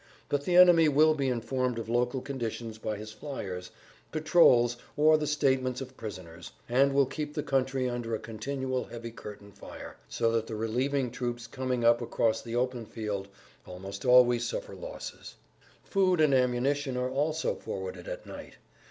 But the enemy will be informed of local conditions by his fliers, patrols or the statements of prisoners, and will keep the country under a continual heavy curtain fire, so that the relieving troops coming up across the open field almost always suffer losses. Food and ammunition are also forwarded at night.